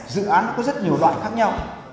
dự án có rất nhiều loại khác nhau